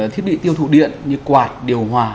thiết bị tiêu thụ điện như quạt điều hòa